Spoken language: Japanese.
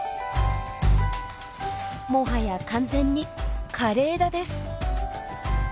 もはや完全に枯れ枝です。